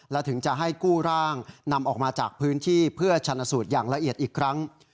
และถึงจะให้กู้ร่างนำออกมาจากพื้นที่เพื่อชนะสูตรอย่างละเอียดอีกครั้ง